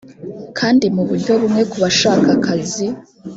kandi mu buryo bumwe ku bashaka akazi